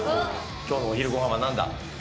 今日のお昼ご飯は何だ？